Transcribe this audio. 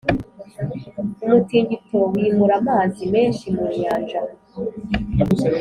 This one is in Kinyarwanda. umutingito wimura amazi menshi mu nyanja.